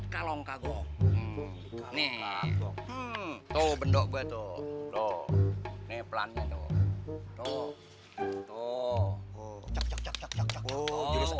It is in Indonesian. kalongka gog ini tuh benda gue tuh tuh nih pelan pelan tuh tuh tuh cok cok cok cok cok cok